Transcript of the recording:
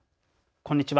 こんにちは。